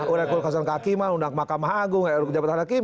urekul kasong kakimal undang makam agung jabatan hakim